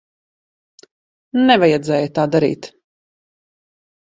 Nevajadzēja tā darīt.